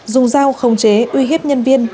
dùng dao không chế uy hiếp nhân viên